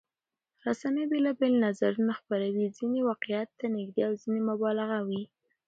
رسنۍ بېلابېل نظرونه خپروي، ځینې واقعيت ته نږدې او ځینې مبالغه وي.